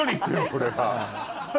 それは。